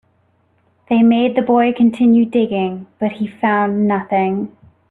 They made the boy continue digging, but he found nothing.